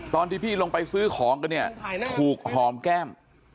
ตอนที่พี่ลงไปซื้อของกันเนี่ยถูกหอมแก้ม